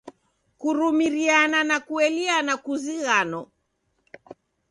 Kurumiriana na kueliana kuzighano.